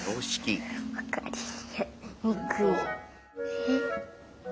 えっ？